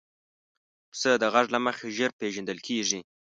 پسه د غږ له مخې ژر پېژندل کېږي.